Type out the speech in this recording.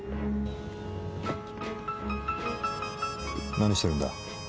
何してるんだ？